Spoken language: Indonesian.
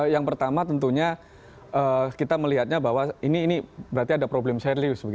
yang pertama tentunya kita melihatnya bahwa ini berarti ada problem serius